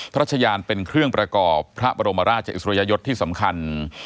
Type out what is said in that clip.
พระราชยานเป็นเครื่องประกอบพระบรมราชอิสริยยศที่สำคัญ